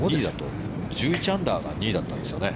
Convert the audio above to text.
１１アンダーが２位だったんですよね。